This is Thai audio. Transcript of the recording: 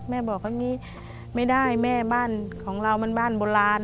แม่บอกว่าไม่ได้แม่บ้านของเรามันบ้านโบราณ